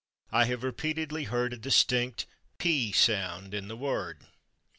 I have repeatedly heard a distinct /p/ sound in the word.